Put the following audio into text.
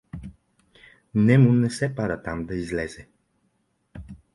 — Нему не се пада там да излезе.